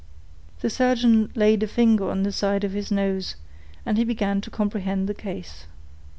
The surgeon laid a finger on the side of his nose, and he began to comprehend the case.